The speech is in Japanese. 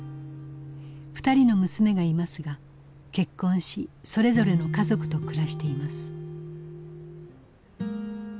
２人の娘がいますが結婚しそれぞれの家族と暮らしています。